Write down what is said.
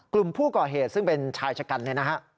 กลุ่มผู้ก่อเหตุซึ่งเป็นชายชะกันเนี่ยนะฮะ